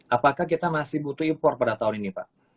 apakah kita masih butuh impor pada tahun ini pak